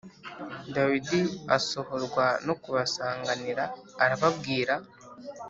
Dawidi asohorwa no kubasanganira arababwira